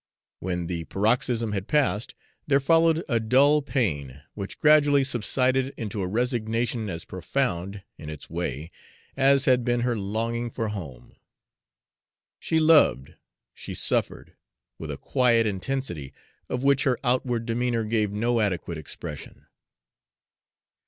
When the paroxysm had passed, there followed a dull pain, which gradually subsided into a resignation as profound, in its way, as had been her longing for home. She loved, she suffered, with a quiet intensity of which her outward demeanor gave no adequate expression.